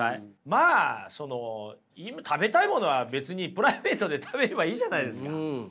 まあその食べたいものは別にプライベートで食べればいいじゃないですか。